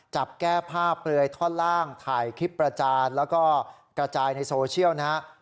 จับแก้ผ้าเปลือยท่อนล่างถ่ายคลิปประจานแล้วก็กระจายในโซเชียลนะครับ